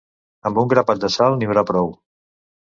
Amb un grapat de sal n'hi haurà prou.